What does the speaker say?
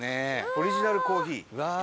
オリジナルコーヒー。